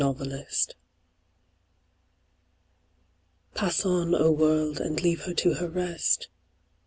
GEORGE ELIOT Pass on, O world, and leave her to her rest